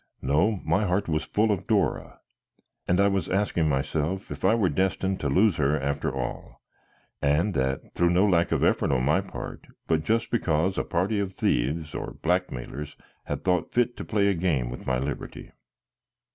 No, my heart was full of Dora, and I was asking myself if I were destined to lose her after all, and that through no lack of effort on my part, but just because a party of thieves or blackmailers had thought fit to play a game with my liberty.